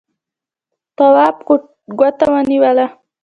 تواب ګوته ونيوله.